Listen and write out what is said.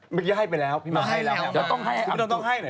เมื่อกี้ให้ไปแล้วพี่มาให้แล้วครับ